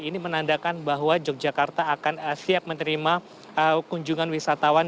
ini menandakan bahwa yogyakarta akan siap menerima kunjungan wisatawan